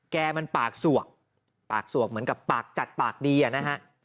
แกมันปากสวกปากสวกเหมือนกับปากจัดปากดีอ่ะนะฮะ